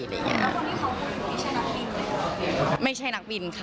แล้วก็ตอนนี้คนที่เขาคุยอยู่มันไม่ใช่นักบินค่ะ